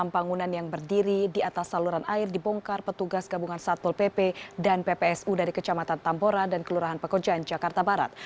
enam bangunan yang berdiri di atas saluran air dibongkar petugas gabungan satpol pp dan ppsu dari kecamatan tambora dan kelurahan pekojan jakarta barat